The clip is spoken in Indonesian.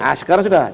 nah sekarang sudah